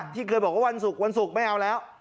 ที่เคยบอกว่าวันศุกร์วันศุกร์ไม่เอาแล้ว